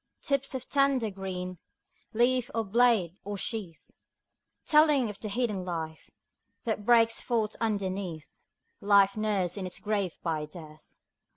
Tips of tender green, Leaf, or blade, or sheath; Telling of the hidden life That breaks forth underneath, Life nursed in its grave by Death.